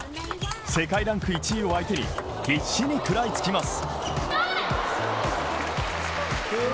世界ランク１位を相手に必死に食らいつきます。